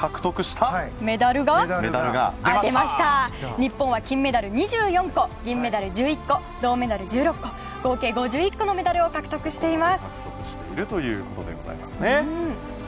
日本は金メダル２４個銀メダル１１個銅メダル１６個合計５１個のメダルを獲得しています。